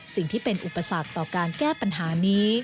สิ่งที่เป็นอุปสรรคต่อการแก้ปัญหานี้